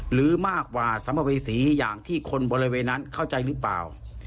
หรือมากกว่าสัมภเวษีอย่างที่คนบริเวณนั้นเข้าใจหรือเปล่า